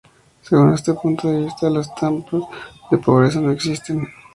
Según este punto de vista las trampas de pobreza no existen.